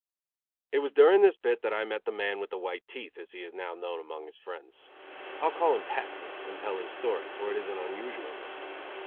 It was during this bit that I met the man with the white teeth, as he is now known among his friends. I will call him Patsy, and tell his story, for it is an unusual one.